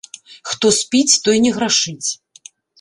Хто спіць, той не грашыць.